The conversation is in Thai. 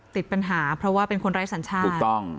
ติดปัญหาเพราะว่าเป็นคนไร้สัญชาติถูกต้อง